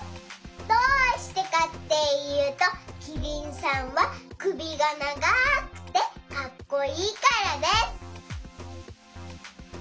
どうしてかっていうとキリンさんはくびがながくてかっこいいからです。